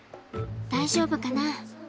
大丈夫かな？